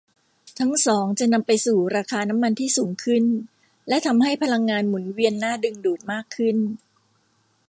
ทั้งสองจะนำไปสู่ราคาน้ำมันที่สูงขึ้นและทำให้พลังงานหมุนเวียนน่าดึงดูดมากขึ้น